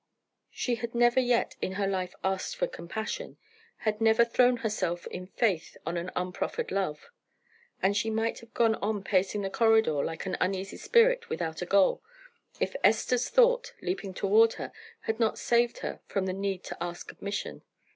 She had never yet in her life asked for compassion had never thrown herself in faith on an unproffered love. And she might have gone on pacing the corridor like an uneasy spirit without a goal, if Esther's thought, leaping toward her, had not saved her from the need to ask admission.